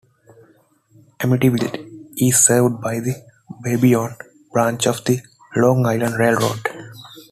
Amityville is served by the Babylon Branch of the Long Island Rail Road.